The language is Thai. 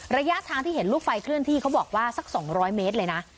ระยะทางที่เห็นลูกไฟเคลื่อนที่เขาบอกว่าสัก๒๐๐เมตรเลยนะ